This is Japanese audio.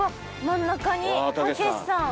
真ん中にたけしさん。